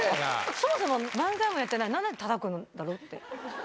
そもそも漫才もやってないのに、なんでたたくんだろって。